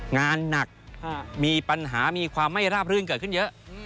งานหนักมีปัญหามีความไม่ราบรื่นเกิดขึ้นเยอะ